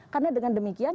karena dengan demikian